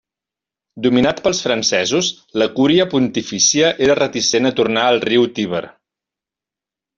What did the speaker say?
Dominat pels francesos, la Cúria Pontifícia era reticent a tornar al Riu Tíber.